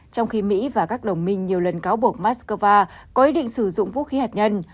trong khi mỹ và các đồng minh nhiều lần cáo buộc moscow có ý định sử dụng vũ khí hạt nhân